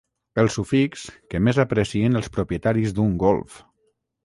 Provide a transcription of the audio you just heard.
El sufix que més aprecien els propietaris d'un Golf.